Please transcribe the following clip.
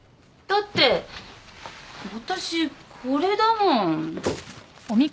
だって私これだもん。